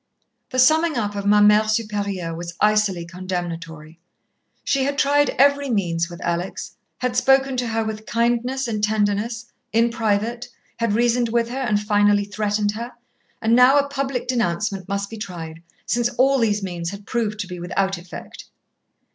The summing up of Ma Mère Supérieure was icily condemnatory. She had tried every means with Alex, had spoken to her with kindness and tenderness; in private, had reasoned with her and finally threatened her, and now a public denouncement must be tried, since all these means had proved to be without effect.